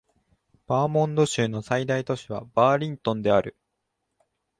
バーモント州の最大都市はバーリントンである